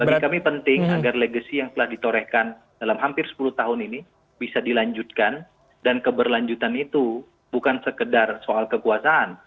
bagi kami penting agar legacy yang telah ditorehkan dalam hampir sepuluh tahun ini bisa dilanjutkan dan keberlanjutan itu bukan sekedar soal kekuasaan